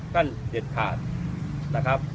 ขั้นเด็ดขาดนะครับ